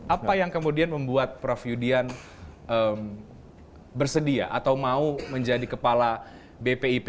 apa yang kemudian membuat prof yudian bersedia atau mau menjadi kepala bpip